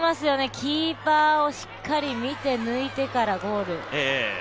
キーパーをしっかり見て抜いてからゴール。